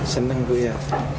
seneng tuh ya